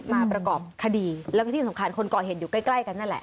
ประกอบคดีแล้วก็ที่สำคัญคนก่อเหตุอยู่ใกล้กันนั่นแหละ